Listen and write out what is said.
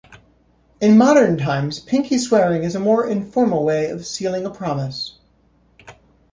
In modern times, pinky swearing is a more informal way of sealing a promise.